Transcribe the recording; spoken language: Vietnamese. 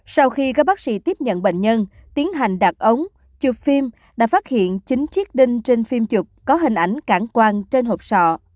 sau khi các bác sĩ tiếp nhận bệnh nhân tiến hành đặt ống chụp phim đã phát hiện chín chiếc đinh trên phim chụp có hình ảnh cảm quan trên hộp sọ